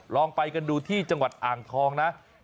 ลองไปกันดูที่จังหวัดอ่างทองนะ